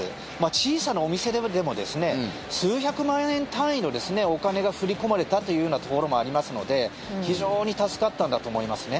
小さなお店でも数百万円単位のお金が振り込まれたというようなところもありますので非常に助かったんだと思いますね。